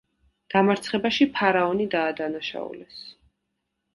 დამარცხებაში ფარაონი დაადანაშაულეს.